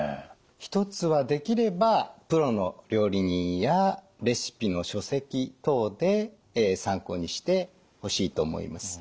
一つはできればプロの料理人やレシピの書籍等で参考にしてほしいと思います。